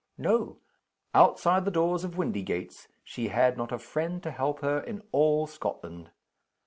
No. Outside the doors of Windygates she had not a friend to help her in all Scotland.